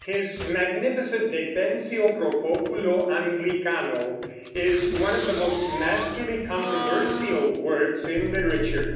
His magnificent Defensio pro Populo Anglicano is one of the most masterly controversial works in literature.